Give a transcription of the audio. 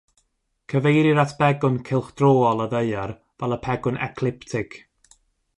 Cyfeirir at begwn cylchdröol y ddaear fel y pegwn Ecliptig.